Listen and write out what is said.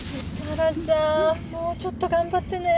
もうちょっと頑張ってね。